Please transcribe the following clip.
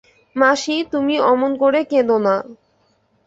মাসি, তুমি অমন করে কেঁদো না।